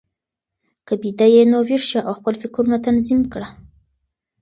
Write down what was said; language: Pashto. که بیده یې، نو ویښ شه او خپل فکرونه تنظیم کړه.